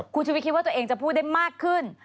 คุณชุวิตคิดว่าตัวเองจะพูดได้มากขึ้น